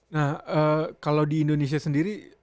nah kalau di indonesia sendiri